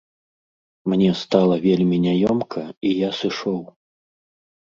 Мне стала вельмі няёмка і я сышоў.